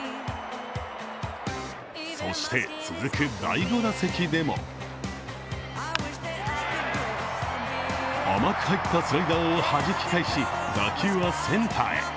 そして、続く第５打席でも甘く入ったスライダーをはじき返し、打球はセンターへ。